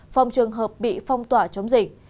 phòng trường hợp bị phong tỏa chống dịch